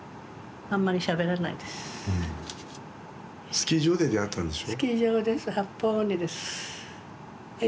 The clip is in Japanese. ・スキー場で出会ったんでしょ？